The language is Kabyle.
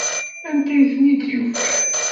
Anta ay ten-id-yufan?